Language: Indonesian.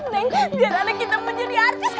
neng biar anak kita menjadi artis kayak gini ya kang